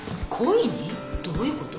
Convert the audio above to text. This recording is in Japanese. どういう事？